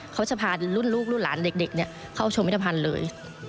เขาจะพารุ่นลูกรุ่นหลานเด็กเข้าชมพิธภัณฑ์เลย